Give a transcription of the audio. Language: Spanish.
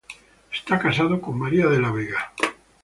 Está casado con María de la Vega.